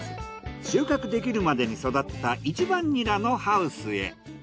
収穫できるまでに育った一番ニラのハウスへ。